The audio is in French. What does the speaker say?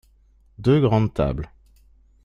Deux grandes tables.